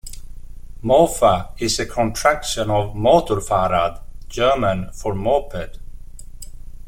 "Mofa" is a contraction of "Motor-Fahrrad", German for "moped".